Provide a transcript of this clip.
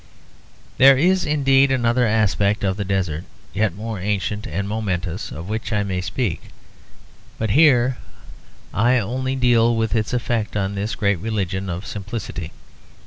There is indeed another aspect of the desert, yet more ancient and momentous, of which I may speak; but here I only deal with its effect on this great religion of simplicity.